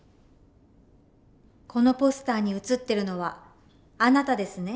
このポスターに写ってるのはあなたですね？